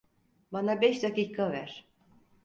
Bana beş dakika ver.